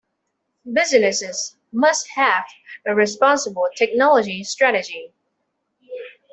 Businesses must have a responsible technology strategy.